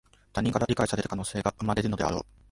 他人から理解される可能性が生まれるのだろう